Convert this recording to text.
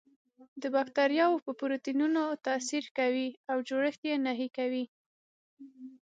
د باکتریاوو په پروتینونو تاثیر کوي او جوړښت یې نهي کوي.